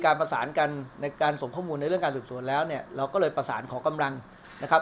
การประสานกันในร่งต่อสนุนเรื่องส่วนแล้วเราก็เลยประสานขอกำรังนะครับ